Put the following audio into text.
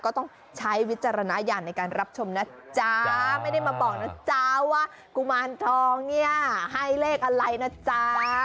ก็ต้องใช้วิจารณญาณในการรับชมนะจ๊ะไม่ได้มาบอกนะจ๊ะว่ากุมารทองเนี่ยให้เลขอะไรนะจ๊ะ